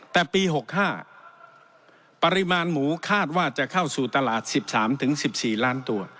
แต่ปี๖๕ปริมาณหมูคาดว่าจะเข้าสู่ตลาด๑๓๑๔ล้านตัว